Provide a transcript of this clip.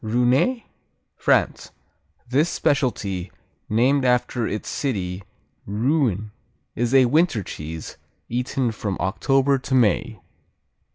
Rouennais France This specialty, named after its city, Rouen, is a winter cheese, eaten from October to May.